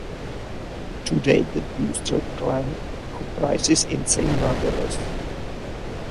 Today the Brewster clan comprises insane murderers.